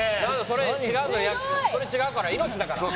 それ違うから「命」だから。